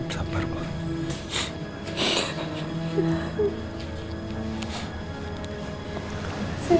sampai jumpa lagi